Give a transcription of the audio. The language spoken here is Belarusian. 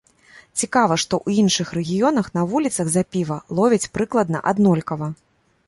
Цікава, што ў іншых рэгіёнах на вуліцах за піва ловяць прыкладна аднолькава.